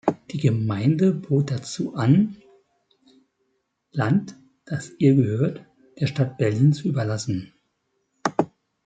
Die Gemeinde bot dazu an, Land, das ihr gehörte, der Stadt Berlin zu überlassen.